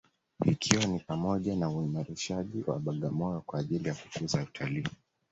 Ikiwa ni pamoja na uimarishaji wa Bagamoyo kwa ajili ya kukuza utalii